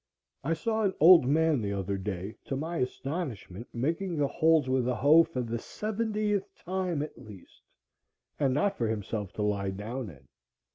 I saw an old man the other day, to my astonishment, making the holes with a hoe for the seventieth time at least, and not for himself to lie down in!